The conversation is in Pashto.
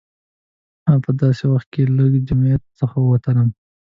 ما په داسې وخت کې له جمعیت څخه ووتلم.